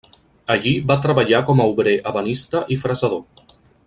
Allí va treballar com a obrer ebenista i fresador.